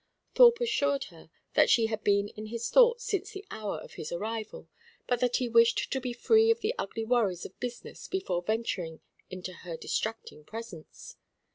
Thorpe assured her that she had been in his thoughts since the hour of his arrival, but that he wished to be free of the ugly worries of business before venturing into her distracting presence.